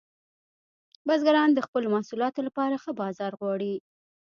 بزګران د خپلو محصولاتو لپاره ښه بازار غواړي.